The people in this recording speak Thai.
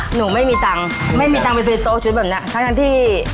หนูไม่มีตังค์ไม่มีตังค์ไปซื้อโต๊ะชุดแบบนี้